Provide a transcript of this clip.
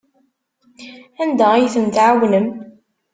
Anda ay ten-tɛawnem?